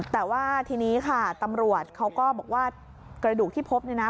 แต่ว่าทีนี้ค่ะตำรวจเขาก็บอกว่ากระดูกที่พบเนี่ยนะ